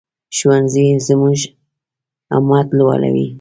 ښوونځی زموږ همت لوړوي